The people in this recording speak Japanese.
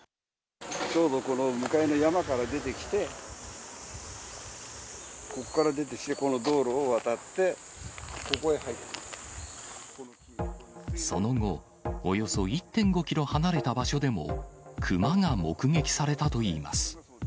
ちょうどこの向かいの山から出てきて、ここから出てきて、この道路を渡って、ここへ入ってその後、およそ１．５キロ離れた場所でも、熊が目撃されたといいます。